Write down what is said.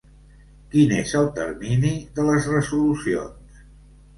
Quin és el termini de les resolucions?